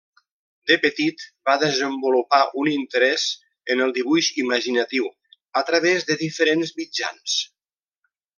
De petit va desenvolupar un interès en el dibuix imaginatiu a través de diferents mitjans.